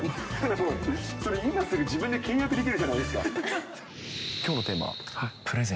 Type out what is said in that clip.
もうそれ、今すぐ自分で契約できるじゃないですか。